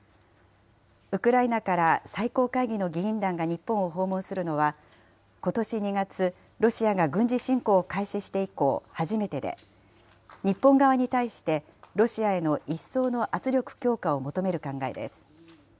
ウクライナから最高会議の議員団が日本を訪問するのは、ことし２月、ロシアが軍事侵攻を開始して以降、初めてで、日本側に対してロシアへの一層の圧力強化を求める考えです。